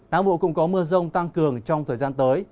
đáng bộ cũng có mưa rông tăng cường trong thời gian tới